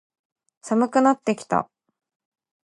寒くなってきた。